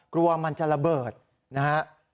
กลัวมันจะระเบิดนะฮะ